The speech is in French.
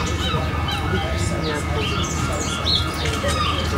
Il est inhumé à Tombouctou.